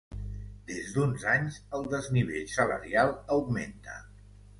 Des d'uns anys, el desnivell salarial augmenta.